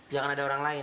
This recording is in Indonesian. jangan ada orang lain